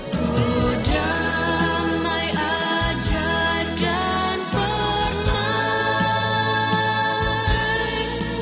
kau damai ajat dan permai